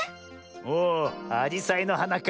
おおアジサイのはなか。